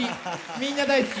みんな大好き。